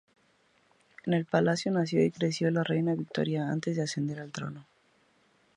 En el palacio nació y creció la reina Victoria antes de ascender al trono.